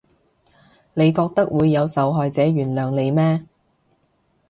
你覺得會有受害者原諒你咩？